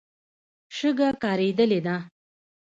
شګه کارېدلې ده.